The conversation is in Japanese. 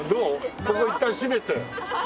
ここいったん閉めて。